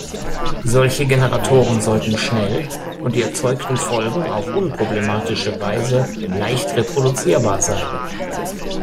Solche Generatoren sollten schnell und die erzeugten Folgen auf unproblematische Weise leicht reproduzierbar sein.